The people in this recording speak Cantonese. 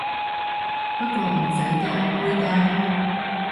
不過唔使驚，妹釘